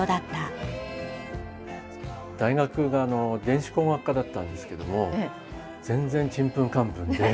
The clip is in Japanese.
大学が電子工学科だったんですけども全然ちんぷんかんぷんで。